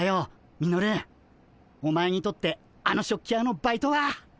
ミノルお前にとってあの食器屋のバイトは。